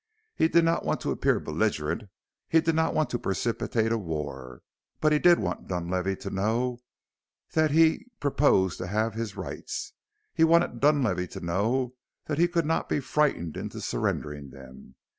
He did not want to appear belligerent; he did not want to precipitate war. But he did want Dunlavey to know that he purposed to have his rights; he wanted Dunlavey to know that he could not be frightened into surrendering them.